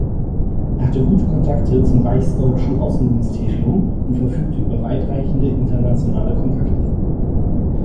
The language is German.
Er hatte gute Kontakte zum reichsdeutschen Außenministerium und verfügte über weitreichende internationale Kontakte.